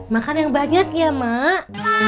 makan yang banyak ya mak